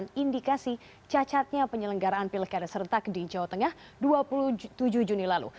ini adalah indikasi cacatnya penyelenggaraan pilih karya serentak di jawa tengah dua puluh tujuh juni lalu